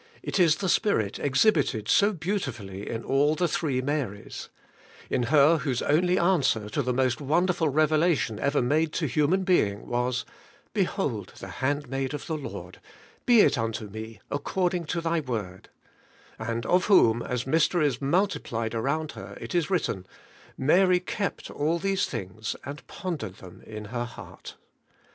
It is the spirit exhibited so beautifully in all the three Marys: In her whose only answer to 138 ABIDE IN CHRIST: the most wonderful revelation ever made to human being was, 'Behold the handmaid of the Lord; be it unto me according to Thy word;' and of whom, as mysteries multiplied around her, it is written: 'Mary kept all these things and pondered them in her heart.